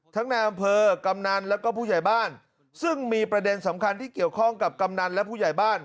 ในอำเภอกำนันแล้วก็ผู้ใหญ่บ้านซึ่งมีประเด็นสำคัญที่เกี่ยวข้องกับกำนันและผู้ใหญ่บ้าน